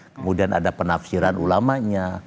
kemudian ada penafsiran ulama nya